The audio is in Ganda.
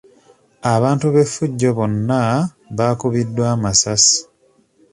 Abantu b'effujjo bonna baakubiddwa amasasi.